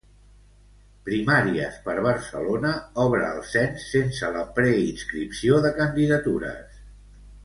Primàries per Barcelona obre el cens sense la preinscripció de candidatures.